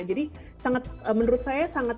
jadi menurut saya sangat